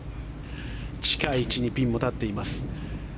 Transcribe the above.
近い位置にピンも立っています。